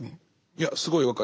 いやすごい分かります。